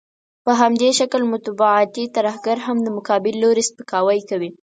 په همدې شکل مطبوعاتي ترهګر هم د مقابل لوري سپکاوی کوي.